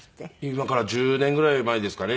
今から１０年ぐらい前ですかね。